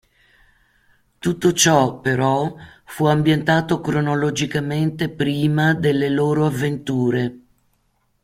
Tutto ciò, però, fu ambientato cronologicamente prima delle loro avventure.